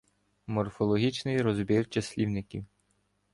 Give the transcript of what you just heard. Морфологічний розбір числівників